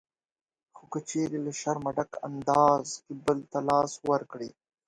خو که چېرې له شرمه ډک انداز کې بل ته لاس ورکړئ